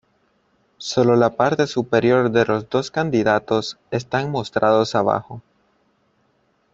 Sólo la parte superior de los dos candidatos están mostrados abajo.